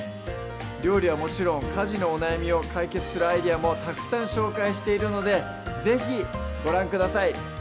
料理はもちろん家事のお悩みを解決するアイデアもたくさん紹介しているので是非ご覧ください